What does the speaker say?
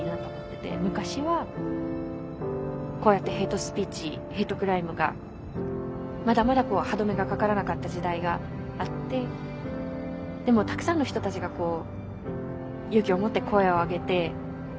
昔はこうやってヘイトスピーチヘイトクライムがまだまだ歯止めがかからなかった時代があってでもたくさんの人たちが勇気を持って声を上げて。